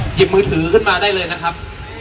หยิบมือถือขึ้นมาได้เลยนะครับ